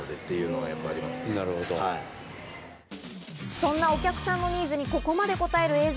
そんなお客さんのニーズにここまで答えるＡ−Ｚ。